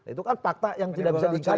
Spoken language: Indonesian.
itu kan fakta yang tidak bisa diungkapkan